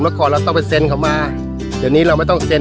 ก่อนเราต้องไปเซ็นเขามาเดี๋ยวนี้เราไม่ต้องเซ็น